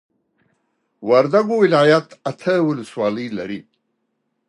وردوګو ولايت اته ولسوالۍ لري